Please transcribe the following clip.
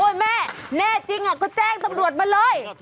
แม่แน่จริงก็แจ้งตำรวจมาเลย